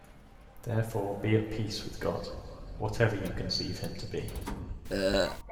Therefore be at peace with God, whatever you conceive Him to be.